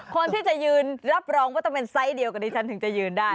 คนที่จะยืนรับรองว่าต้องเป็นไซส์เดียวกับดิฉันถึงจะยืนได้